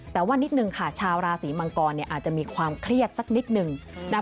แต่ว่านิดนึงค่ะชาวราศีมังกรอาจจะมีความเครียดสักนิดหนึ่งนะคะ